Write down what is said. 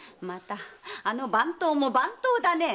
あの番頭も番頭だね！